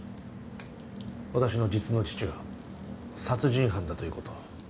私の実の父が殺人犯だということを。